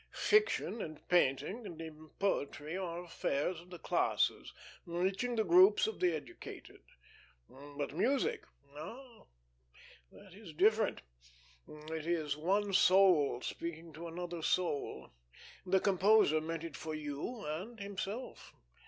Fiction and painting, and even poetry, are affairs of the classes, reaching the groups of the educated. But music ah, that is different, it is one soul speaking to another soul. The composer meant it for you and himself.